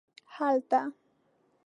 هلته